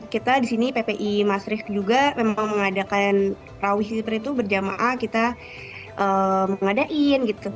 kita di sini ppi masrik juga memang mengadakan rawih seperti itu berjamaah kita mengadain gitu